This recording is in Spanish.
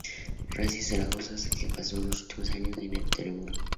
Residió en Zaragoza, y pasó sus últimos años en Teruel.